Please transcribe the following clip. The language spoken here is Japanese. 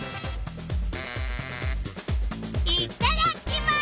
いっただっきます！